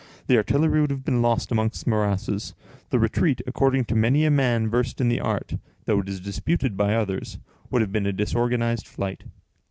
The artillery would have been lost among the morasses. The retreat, according to many a man versed in the art,—though it is disputed by others,—would have been a disorganized flight.